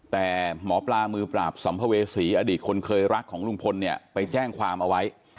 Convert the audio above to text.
แต่หมอปลามือปราบสัมภเวษีอดีตคนเคยรักของลุงพลเนี่ยไปแจ้งความเอาไว้